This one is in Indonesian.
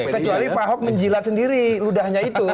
kecuali pak ahok menjilat sendiri ludahnya itu